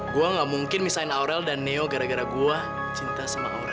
gua gak mungkin misahin aurel dan neo gara gara gua cinta sama aurel